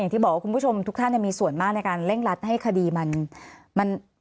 ที่บอกว่าคุณผู้ชมทุกท่านมีส่วนมากในการเร่งรัดให้คดีมัน